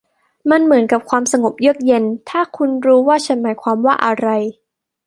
มันเหมือนกับความสงบเยือกเย็น ถ้าคุณรู้ว่าฉันหมายความว่าอะไร